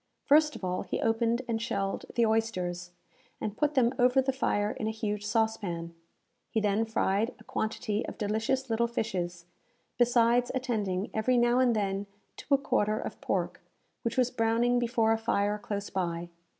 First of all, he opened and shelled the oysters, and put them over the fire in a huge saucepan. He then fried a quantity of delicious little fishes, besides attending, every now and then, to a quarter of pork, which was browning before a fire close by.